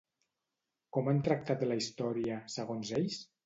Com han tractat la història, segons ells?